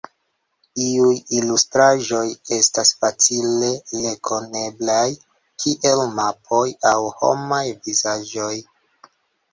Iuj ilustraĵoj estas facile rekoneblaj, kiel mapoj aŭ homaj vizaĝoj.